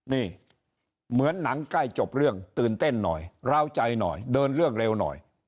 นี่เหมือนหนังใกล้จบเรื่องตื่นเต้นหน่อยร้าวใจหน่อยเดินเรื่องเร็วหน่อย